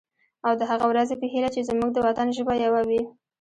او د هغه ورځې په هیله چې زمونږ د وطن ژبه یوه وي.